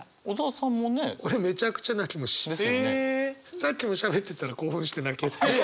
さっきもしゃべってたら興奮して泣けてきた。